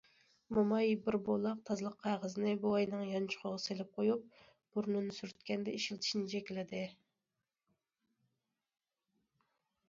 موماي بىر بولاق تازىلىق قەغىزىنى بوۋاينىڭ يانچۇقىغا سېلىپ قويۇپ، بۇرنىنى سۈرتكەندە ئىشلىتىشنى جېكىلىدى.